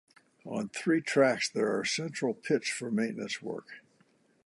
On three tracks there are central pits for maintenance work.